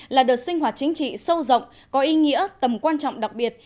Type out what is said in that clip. là đợt sinh hoạt chính trị sâu rộng có ý nghĩa tầm quan trọng đặc biệt